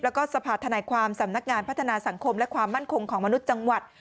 แล้วก็สภาธนายความสำนักงานพัฒนาสังคมและความมั่นคงของมนุษย์จังหวัด